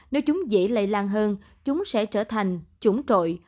nếu chúng dễ lây lan hơn chúng sẽ trở thành chủng trội